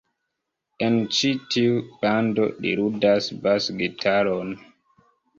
En ĉi-tiu bando, li ludas bas-gitaron.